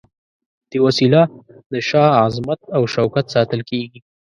په دې وسیله د شاه عظمت او شوکت ساتل کیږي.